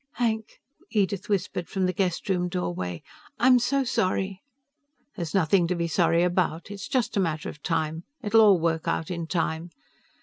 "Hank," Edith whispered from the guest room doorway, "I'm so sorry " "There's nothing to be sorry about. It's just a matter of time. It'll all work out in time."